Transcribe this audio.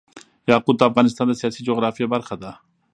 یاقوت د افغانستان د سیاسي جغرافیه برخه ده.